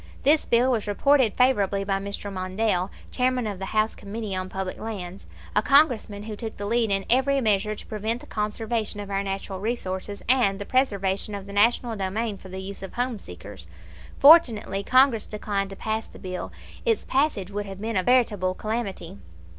This bill was reported favorably by Mr. Mondell, Chairman of the House Committee on public lands, a Congressman who took the lead in every measure to prevent the conservation of our natural resources and the preservation of the National domain for the use of home seekers. Fortunately, Congress declined to pass the bill. Its passage would have been a veritable calamity.